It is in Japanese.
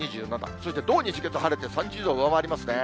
そして、土、日、月、晴れて、３０度上回りますね。